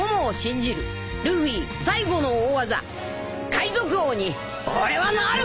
海賊王に俺はなる！